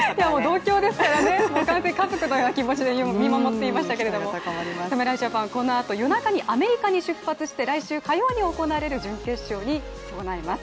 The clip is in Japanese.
同郷ですから、家族のような気持ちで見守っていましたけれども、侍ジャパン、このあと夜中にアメリカに出発して来週火曜に行われる準決勝に備えます。